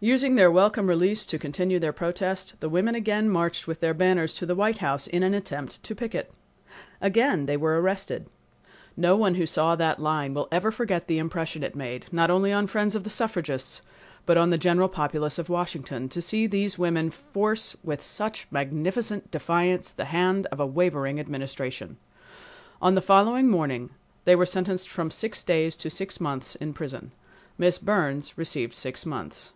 Using their welcome release to continue their protest, the women again marched with their banners to the White House in an attempt to picket. Again they were arrested. No one who saw that line will ever forget the impression it made, not only on friends of the suffragists, but on the general populace of Washington, to see these women force with such magnificent defiance the hand of a wavering Administration. On the following morning they were sentenced to from six days to six months in prison. Miss Burns received six months.